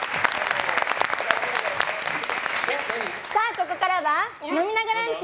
ここからは飲みながランチ！